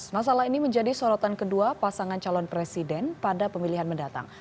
masalah ini menjadi sorotan kedua pasangan calon presiden pada pemilihan mendatang